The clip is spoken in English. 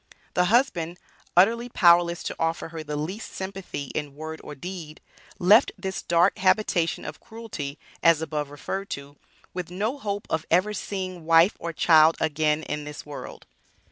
The husband, utterly powerless to offer her the least sympathy in word or deed, left this dark habitation of cruelty, as above referred to, with no hope of ever seeing wife or child again in this world.